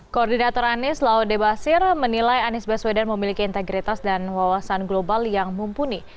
koordinator anies laude basir menilai anies baswedan memiliki integritas dan wawasan global yang mumpuni